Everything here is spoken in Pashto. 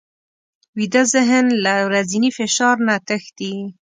ویده ذهن له ورځني فشار نه تښتي